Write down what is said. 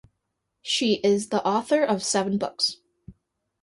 She is the author of seven books.